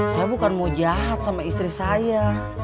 saya bukan mau jahat sama istri saya